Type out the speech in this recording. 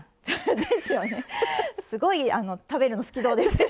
すごい食べるの好きそうです。